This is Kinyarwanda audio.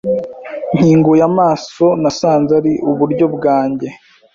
Nkinguye amaso, nasanze ari iburyo bwanjye.